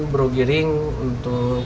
bro giring untuk